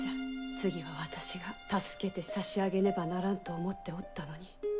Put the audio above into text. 次は私が助けて差し上げねばならんと思っておったのに。